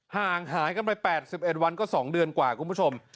ห่างหายกันไป๘๑วันก็๒เดือนกว่าคุณผู้ชม